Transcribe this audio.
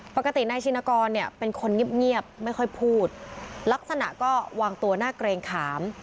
ปกตินายชินกรเนี่ยเป็นคนเงียบไม่ค่อยพูดลักษณะก็วางตัวหน้าเกรงขาม